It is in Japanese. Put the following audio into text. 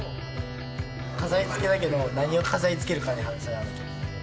飾りつけだけど何を飾りつけるかで話し合わなきゃ。